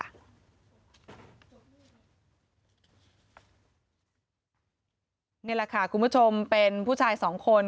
นี่แหละค่ะคุณผู้ชมเป็นผู้ชายสองคน